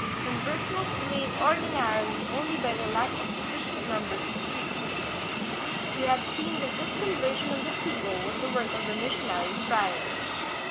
Conversion was delayed ordinarily only by the lack of sufficient numbers of priests. We have seen that this conversion of the people was the work of the missionary friars.